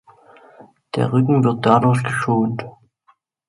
Der Rücken wird dadurch geschont.